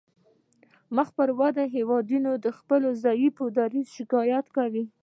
مخ پر ودې هیوادونه د خپل ضعیف دریځ شکایت کوي